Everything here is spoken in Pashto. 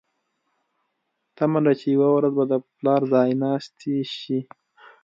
تمه ده چې یوه ورځ به د پلار ځایناستې شي.